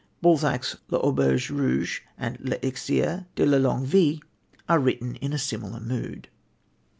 Balzac's L'Auberge Rouge and L'Elixir de la Longue Vie are written in a similar mood.